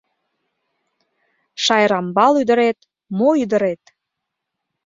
Шайрамбал ӱдырет — мо ӱдырет?